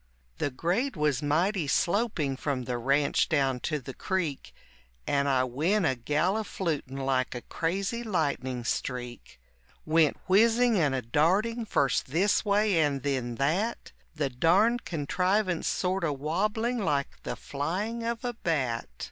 The grade was mighty sloping from the ranch down to the creek And I went a galliflutin' like a crazy lightning streak, Went whizzing and a darting first this way and then that, The darned contrivance sort o' wobbling like the flying of a bat.